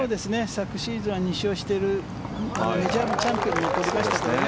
昨シーズンは２勝しているメジャーのチャンピオンも取りましたけどね。